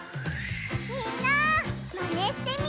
みんなマネしてみてね！